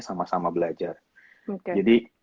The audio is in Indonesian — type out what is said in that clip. sama sama belajar jadi